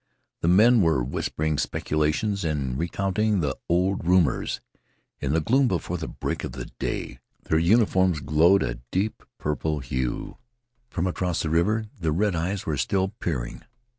The men were whispering speculations and recounting the old rumors. In the gloom before the break of the day their uniforms glowed a deep purple hue. From across the river the red eyes were still peering.